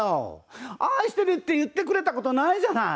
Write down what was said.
「愛してるって言ってくれた事ないじゃない」